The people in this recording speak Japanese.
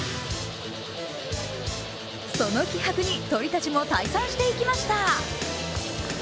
その気迫に鳥たちも退散していきました。